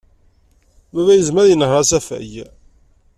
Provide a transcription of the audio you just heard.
Baba yezmer ad yenheṛ asafag.